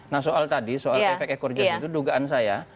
nah soal tadi soal efek ekor jas itu dugaan saya